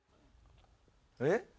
えっ？